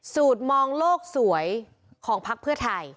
สูตรมองโลกสวยของพักเพื่อไทย